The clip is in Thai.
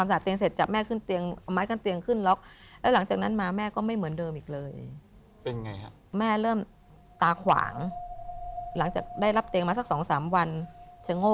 บอลิจจากเตียงมาแกก็นั่งมาบนเตียง